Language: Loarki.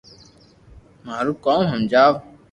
مارو ڪوم ھمجاو